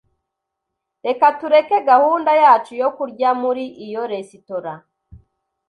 Reka tureke gahunda yacu yo kurya muri iyo resitora.